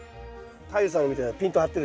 太陽さんのみたいなピンと張ってるでしょ。